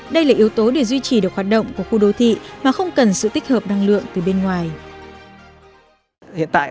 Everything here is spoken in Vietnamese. đây là yếu tố để duy trì được hoạt động của khu đô thị mà không cần sự tích hợp năng lượng từ bên ngoài